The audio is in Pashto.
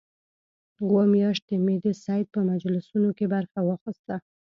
اووه میاشتې مې د سید په مجلسونو کې برخه واخیسته.